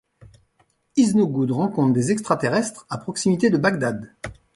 Iznogoud rencontre des extra-terrestres à proximité de Bagdad.